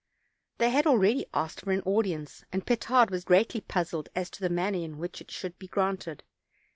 They had already asked for an audience, and Petard was greatly puzzled as to the man ner in which it should be granted.